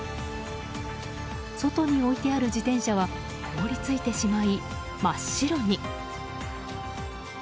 外に置いてある自転車は凍り付いてしまい、真っ白に。